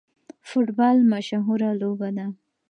فوټبال مشهوره لوبه ده